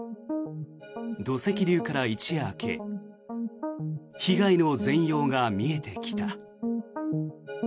土石流から一夜明け被害の全容が見えてきた。